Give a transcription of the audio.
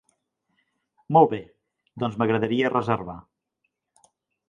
Molt bé, doncs m'agradaria reservar.